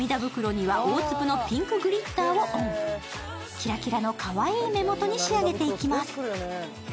キラキラのかわいい目元に仕上げていきます。